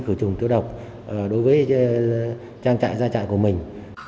khử trùng tiêu độc đối với trang trại gia trại của mình